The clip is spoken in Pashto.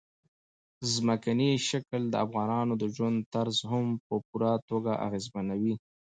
ځمکنی شکل د افغانانو د ژوند طرز هم په پوره توګه اغېزمنوي.